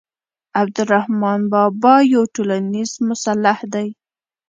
عبدالرحمان بابا یو ټولنیز مصلح دی.